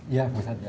iya pak ustadz ya